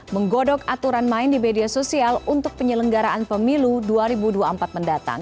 menggodok aturan main di media sosial untuk penyelenggaraan pemilu dua ribu dua puluh empat mendatang